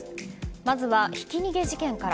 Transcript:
まずはひき逃げ事件から。